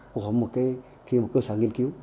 của một cơ sở nghiên cứu